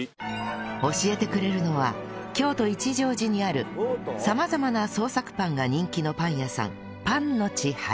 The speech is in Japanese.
教えてくれるのは京都一乗寺にある様々な創作パンが人気のパン屋さんぱんのちはれ